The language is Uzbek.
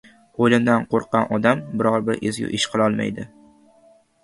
O‘limdan qo‘rqqan odam biron-bir ezgu ish qilolmaydi